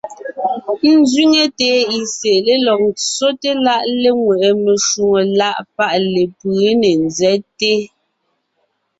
Ńzẅíŋe TIC lélɔg ńtsóte láʼ léŋweʼe meshwóŋè láʼ páʼ lepʉ̌ ne ńzɛ́te.